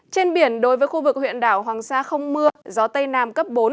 trên biển đối với khu vực huyện đảo hoàng sa không mưa gió tây nam cấp bốn